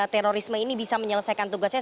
terorisme ini bisa menyelesaikan tugasnya